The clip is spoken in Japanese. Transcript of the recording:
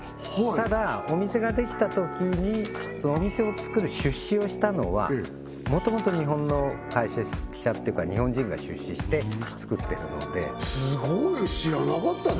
ただお店ができたときにお店をつくる出資をしたのはもともと日本の会社っていうか日本人が出資してつくってるのですごい知らなかったね